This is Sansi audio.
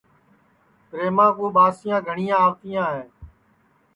پریماں کُو ٻاسیاں گھٹؔیاں آوتیاں ہے